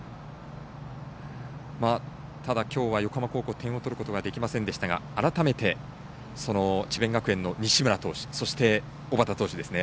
ただ、きょうは横浜高校点を取ることができませんでしたが改めて、その智弁学園の西村投手そして、小畠投手ですね。